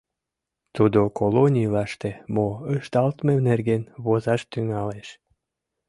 Тудо колонийлаште мо ышталтме нерген возаш тӱҥалеш.